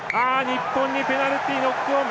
日本にペナルティノックオン。